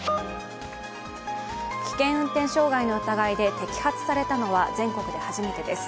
危険運転傷害の疑いで摘発されたのは全国で初めてです。